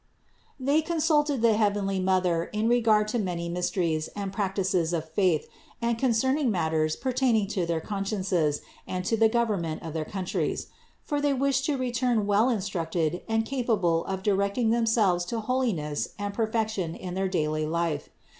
They consulted the heavenly Mother in regard to many mysteries and practices of faith, and concerning matters pertaining to their consciences and to the gov ernment of their countries; for they wished to return 480 CITY OF GOD well instructed and capable of directing themselves to holiness and perfection in their daily life.